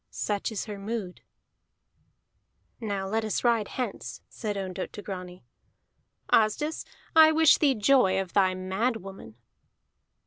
Such is her mood." "Now let us ride hence," said Ondott to Grani. "Asdis, I wish thee joy of thy mad woman."